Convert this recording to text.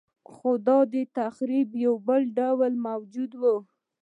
خو د تخریب یو بل ډول موجود و